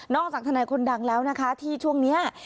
จากทนายคนดังแล้วนะคะที่ช่วงนี้